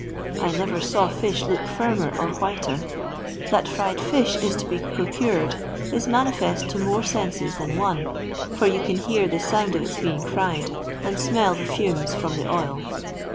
I never saw fish look firmer or whiter. That fried fish is to be procured is manifest to more senses than one, for you can hear the sound of its being fried, and smell the fumes from the oil.